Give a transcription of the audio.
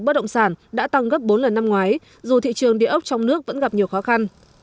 bất động sản đã tăng gấp bốn lần năm ngoái dù thị trường đề ốc trong nước vẫn gặp nhiều khó khăn